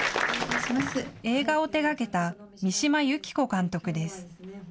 映画を手がけた三島有紀子監督です。